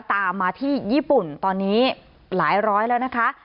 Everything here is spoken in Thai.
ตามมาที่ญี่ปุ่นตอนนี้หลายร้อยแล้วนะคะ